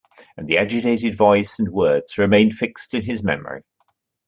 And the agitated voice and words remained fixed in his memory.